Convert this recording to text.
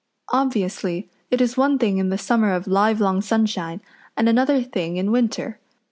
_] Obviously, it is one thing in the summer of livelong sunshine, and another thing in winter.